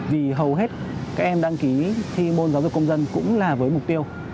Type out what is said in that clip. vì hầu hết các em đăng ký thi môn giáo dục công dân cũng là với mục tiêu